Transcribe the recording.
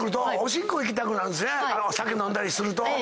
酒飲んだりすると。